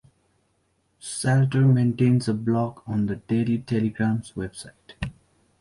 Salter maintains a blog on "The Daily Telegraph"'s website.